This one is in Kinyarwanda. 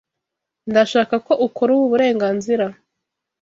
Ndashaka ko ukora ubu burenganzira.